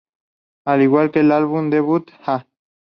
Al igual que el álbum debut, "Ha!